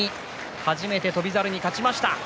初めて翔猿に勝ちました。